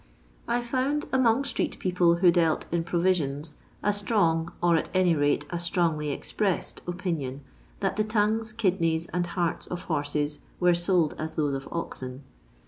I found among street people who dealt in pro visions a strong, or, at any rate, a strongly ex pressed, opinion that the tongues, kidneys, and hearts of horses were sold as those of oxen.